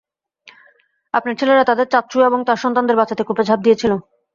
আপনার ছেলেরা তাদের চাচ্ছু এবং, তার সন্তানকে বাঁচাতে কূপে ঝাঁপ দিয়েছিল।